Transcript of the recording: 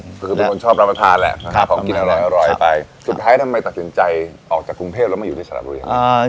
ก็คือเป็นคนชอบรับประทานแหละของกินอร่อยไปสุดท้ายทำไมตัดสินใจออกจากกรุงเทพแล้วมาอยู่ที่สระบุรี